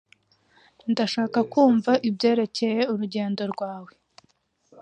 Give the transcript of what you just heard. Ndashaka kumva ibyerekeye urugendo rwawe.